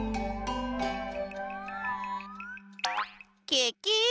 ケケ！